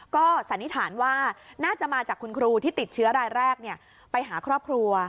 ก็สันนิษฐานว่าน่าจะมาจากคุณครูที่ติดเชื้อรายแรกไปหาครอบครัว